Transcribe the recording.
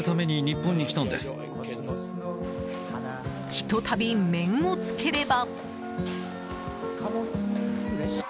ひと度、面を着ければ。